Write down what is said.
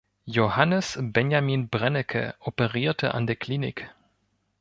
Johannes Benjamin Brennecke operierte an der Klinik.